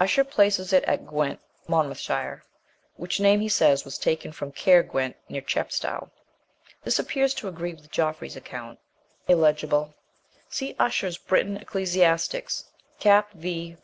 Usher places it at Gwent, Monmouthshire, which name, he ways, was taken from Caer Went, near Chepstow. This appears to agree with Geoffrey's account, {illegible} See Usher's Britan. Eccles. cap. v.